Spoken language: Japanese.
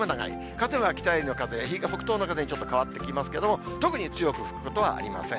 風は北寄りの風、北東の風にちょっと変わってきますけれども、特に強く吹くことはありません。